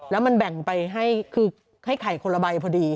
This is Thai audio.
แล้วมันแบ่งไปให้ไข่คนละใบพอดี